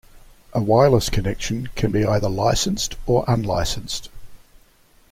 A wireless connection can be either licensed or unlicensed.